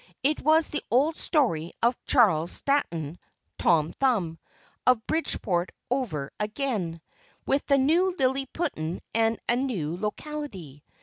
It was the old story of Charles Stratton, (Tom Thumb,) of Bridgeport, over again, with a new liliputian and a new locality.